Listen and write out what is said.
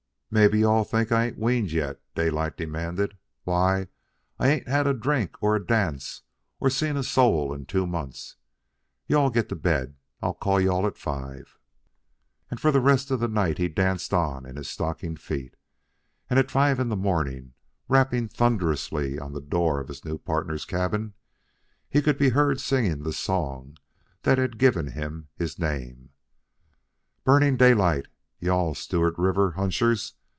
"Mebbe you all think I ain't weaned yet?" Daylight demanded. "Why, I ain't had a drink, or a dance, or seen a soul in two months. You all get to bed. I'll call you all at five." And for the rest of the night he danced on in his stocking feet, and at five in the morning, rapping thunderously on the door of his new partners' cabin, he could be heard singing the song that had given him his name: "Burning daylight, you all Stewart River hunchers!